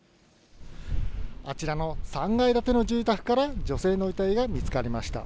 あちらの３階建ての住宅から女性の遺体が見つかりました。